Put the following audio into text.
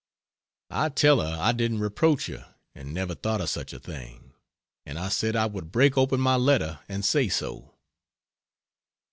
I tell her I didn't reproach you and never thought of such a thing. And I said I would break open my letter and say so.